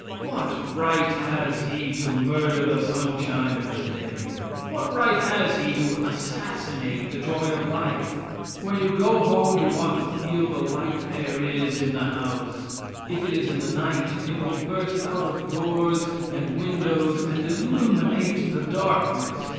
What right has he to murder the sunshine of the day? What right has he to assassinate the joy of life? Where you go home you ought to feel the light there is in the house; if it is in the night it will burst out of doors and windows and illuminate the darkness.